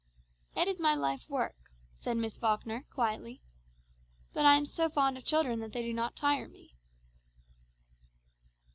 "It is my life work," said Miss Falkner quietly. "But I am so fond of children that they do not tire me."